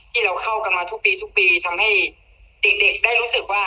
เราเข้ากันมาทุกปีทุกปีทำให้เด็กได้รู้สึกว่า